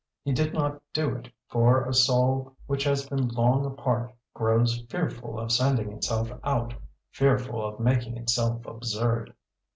He did not do it, for a soul which has been long apart grows fearful of sending itself out, fearful of making itself absurd.